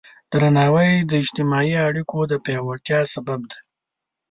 درناوی د اجتماعي اړیکو د پیاوړتیا سبب دی.